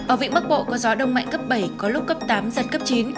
ở vịnh bắc bộ có gió đông mạnh cấp bảy có lúc cấp tám giật cấp chín